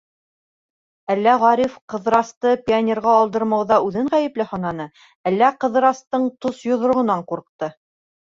Әллә Ғариф Ҡыҙырасты пионерға алдырмауҙа үҙен ғәйепле һананы, әллә Ҡыҙырастың тос йоҙроғонан ҡурҡты.